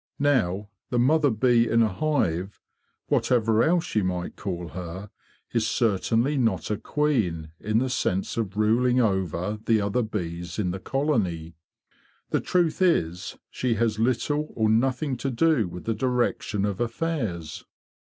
Now, the mother bee in a hive, whatever else you might call her, is certainly not a queen, in the sense of ruling over the other bees in the colony. The truth is she has little or nothing to do with the direction of affairs.